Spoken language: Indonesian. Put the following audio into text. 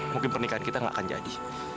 mungkin pernikahan kita nggak akan jadi